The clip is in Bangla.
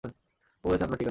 ও বলেছে আপনার ঠিকানা!